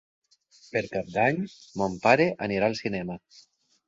Per Cap d'Any mon pare anirà al cinema.